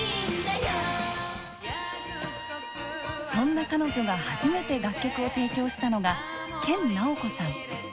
そんな彼女が初めて楽曲を提供したのが研ナオコさん。